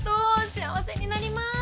幸せになります。